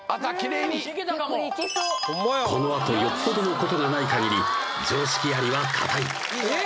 うーんこのあとよっぽどのことがないかぎり常識ありは堅いえっ？